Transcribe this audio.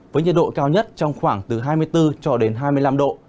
với nhiệt độ cao nhất trong khoảng từ hai mươi bốn cho đến hai mươi năm độ